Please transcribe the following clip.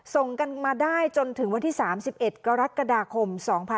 ส่งกันมาได้จนถึงวันที่๓๑กรกฎาคม๒๕๖๒